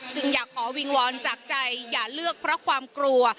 อยากขอวิงวอนจากใจอย่าเลือกเพราะความกลัว